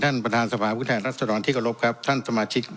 ท่านประธานสัพวุทธ์รัฐทรรณที่ระบบครับท่านสมาชิก